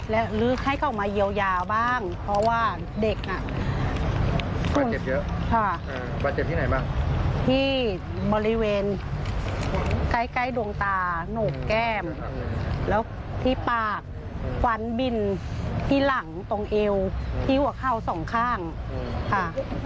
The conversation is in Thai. แล้วที่ปากฝันบินที่หลังตรงเอวที่หัวเข้าสองข้างค่ะ